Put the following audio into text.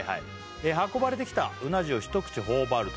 「運ばれてきたうな重を一口頬張ると」